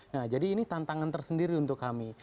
nah jadi ini tantangan tersendiri untuk kami